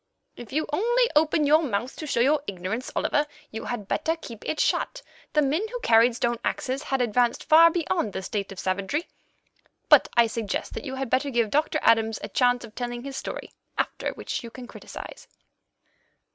"If you only open your mouth to show your ignorance, Oliver, you had better keep it shut. The men who carried stone axes had advanced far beyond the state of savagery. But I suggest that you had better give Doctor Adams a chance of telling his story, after which you can criticize."